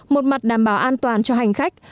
một mặt đảm bảo an toàn cho hành khách